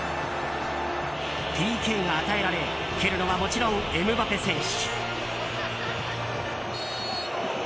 ＰＫが与えられ蹴るのはもちろんエムバペ選手。